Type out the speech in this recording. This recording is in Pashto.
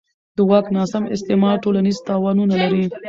د واک ناسم استعمال ټولنیز تاوانونه لري